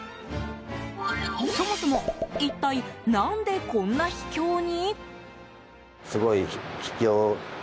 そもそも、一体何でこんな秘境に？